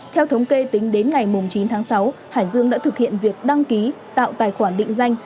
theo thống kê tính đến ngày chín tháng sáu hải dương đã thực hiện việc đăng ký tạo tài khoản định danh